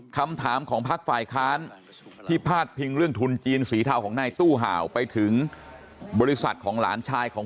คำถามของพักฝ่ายค้านที่พาดพิงเรื่องทุนจีนสีเทาของนายตู้ห่าวไปถึงบริษัทของหลานชายของ